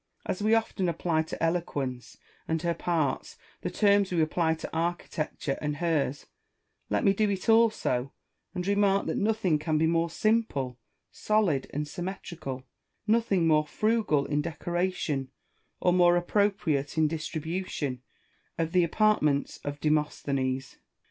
As we often apply to Eloquence and her parts the terms we apply to Architecture and hers, let me do it also, and remark that nothing can be more simple, solid, and syuimetrical, nothing more frugal in decoration or more appropriate in distribution, than the apartments of Demosthenes.